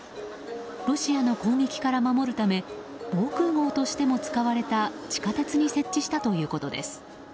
ロシアの攻撃から守るため防空壕としても使われた地下鉄に設置したということです。